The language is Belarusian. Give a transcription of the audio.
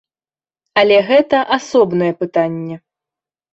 Але гэта асобнае пытанне.